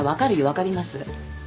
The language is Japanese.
分かります。